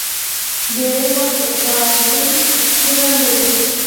ډېری وخت غالۍ سور رنګ لري.